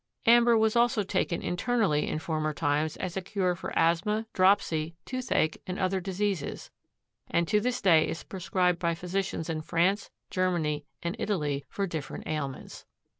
Amber was also taken internally in former times as a cure for asthma, dropsy, toothache and other diseases and to this day is prescribed by physicians in France, Germany and Italy for different ailments.